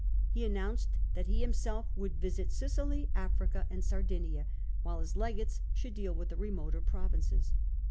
He announced that he himself would visit Sicily, Africa, and Sardinia, while his legates should deal with the remoter provinces.